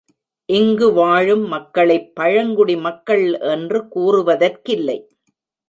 இங்கு வாழும் மக்களைப் பழங்குடி மக்கள் என்று கூறுவதற்கில்லை.